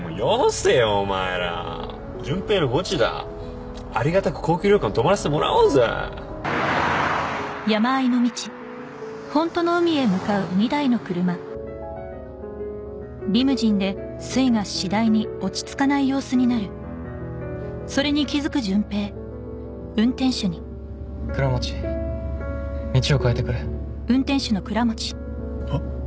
せよお前ら純平のゴチだありがたく高級旅館泊まらせてもらおうぜ倉持道を変えてくれはっ？